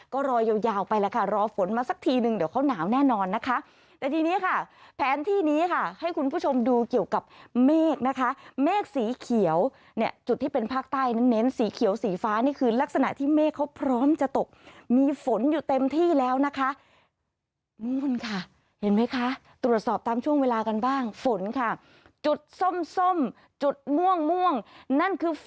ก็รอยาวไปแล้วค่ะรอฝนมาสักทีนึงเดี๋ยวเขาหนาวแน่นอนนะคะแต่ทีนี้ค่ะแผนที่นี้ค่ะให้คุณผู้ชมดูเกี่ยวกับเมฆนะคะเมฆสีเขียวเนี่ยจุดที่เป็นภาคใต้นั้นเน้นสีเขียวสีฟ้านี่คือลักษณะที่เมฆเขาพร้อมจะตกมีฝนอยู่เต็มที่แล้วนะคะเห็นไหมคะตรวจสอบตามช่วงเวลากันบ้างฝนค่ะจุดส้มส้มจุดม่วงม่วงนั่นคือฝ